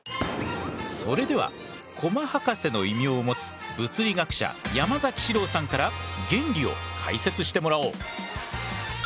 それではコマ博士の異名を持つ物理学者山崎詩郎さんから原理を解説してもらおう。